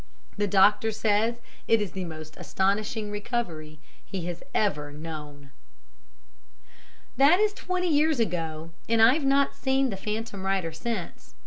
The doctor says it is the most astonishing recovery he has ever known.' "That is twenty years ago, and I've not seen the phantom rider since.